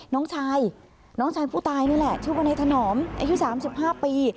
น้องชายน้องชายผู้ตายนี่แหละชื่อว่านายถนอมอายุ๓๕ปี